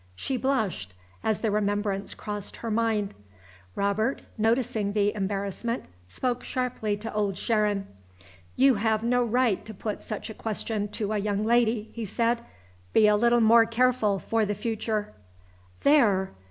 She blushed as the remembrance crossed her mind. Robert, noticing the embarrassment, spoke sharply to Old Sharon. "You have no right to put such a question to a young lady," he said. "Be a little more careful for the future." "There!